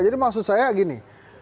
jadi maksud saya gini